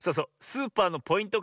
スーパーのポイント